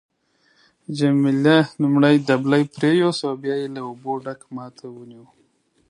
جميله لومړی دبلی پریویست او بیا یې له اوبو ډک ما ته ونیو.